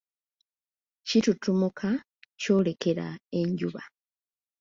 Kitutumuka kyolekera enjuba.